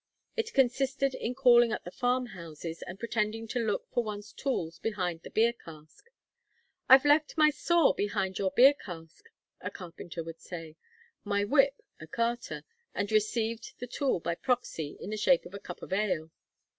It consisted in calling at the farm houses and pretending to look for one's tools behind the beer cask. 'I've left my saw behind your beer cask,' a carpenter would say; 'my whip,' a carter; and received the tool by proxy, in the shape of a cup of ale.